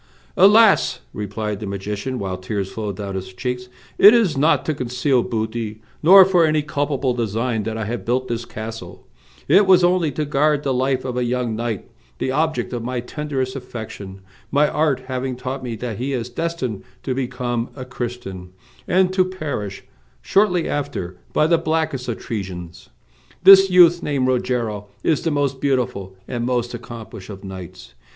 "Alas!" replied the magician, while tears flowed down his cheeks, "it is not to conceal booty, nor for any culpable design that I have built this castle; it was only to guard the life of a young knight, the object of my tenderest affection, my art having taught me that he is destined to become a Christian, and to perish, shortly after, by the blackest of treasons. "This youth, named Rogero, is the most beautiful and most accomplished of knights.